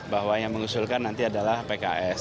bahwa yang mengusulkan nanti adalah pks